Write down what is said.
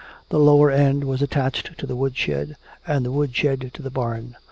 The lower end was attached to the woodshed, and the woodshed to the barn.